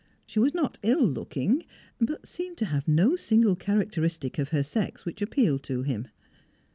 She was not ill looking, but seemed to have no single characteristic of her sex which appealed to him.